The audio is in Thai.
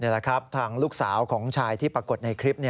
แหละครับทางลูกสาวของชายที่ปรากฏในคลิป